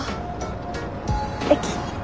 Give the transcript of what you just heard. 駅？